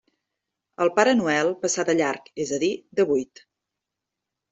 El Pare Noel passà de llarg, és a dir, de buit.